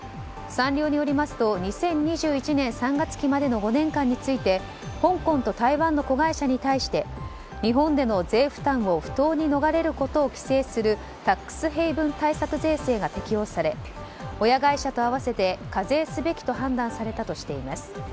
サンリオによりますと２０２１年３月期までの５年間について香港と台湾の子会社に対して日本での税負担を不当にのがれることを規制するタックスヘイブン対策税制が適用され親会社と合わせて課税すべきと判断されたとしています。